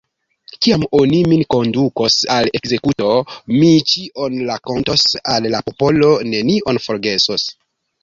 Kiam oni min kondukos al ekzekuto, mi ĉion rakontos al la popolo, nenion forgesos.